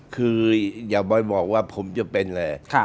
คืออย่าไปบอกว่าผมจะเป็นเลย